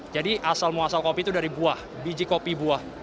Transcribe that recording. jadi asal muasal kopi itu dari buah biji kopi buah